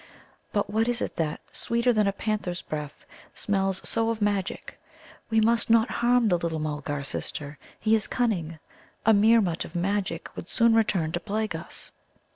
But what is it that, sweeter than a panther's breath, smells so of Magic? We must not harm the little Mulgar, sister; he is cunning. A Meermut of Magic would soon return to plague us."